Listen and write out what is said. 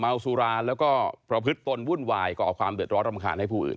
สุราแล้วก็ประพฤติตนวุ่นวายก่อความเดือดร้อนรำคาญให้ผู้อื่น